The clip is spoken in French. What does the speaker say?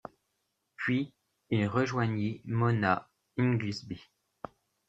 Puis il rejoignit Mona Inglesby.